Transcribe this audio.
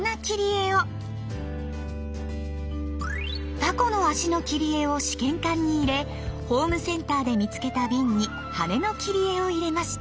タコの足の切り絵を試験管に入れホームセンターで見つけた瓶に羽根の切り絵を入れました。